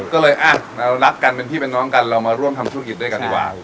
ก็เลยอ่ะเรารักกันเป็นพี่เป็นน้องกันเรามาร่วมทำธุรกิจด้วยกันดีกว่า